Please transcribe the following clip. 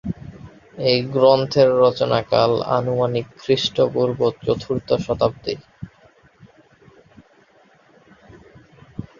এই গ্রন্থের রচনাকাল আনুমানিক খ্রিষ্টপূর্ব চতুর্থ শতাব্দী।